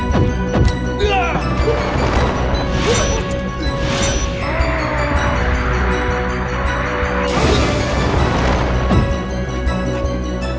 telah dihiat kamu